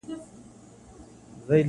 له یوې توري بلا خلاصېږې -